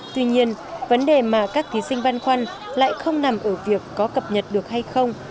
tuy nhiên vấn đề mà các thí sinh băn khoăn lại không nằm ở việc có cập nhật được hay không